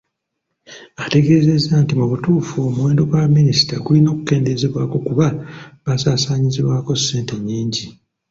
Ategeezezza nti mu butuufu omuwendo gwa baminisita gulina okukendeezebwako kuba basaasaanyizibwako ssente nnyingi.